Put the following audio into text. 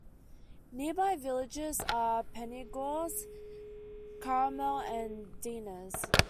Nearby villages are Penygroes, Carmel and Dinas.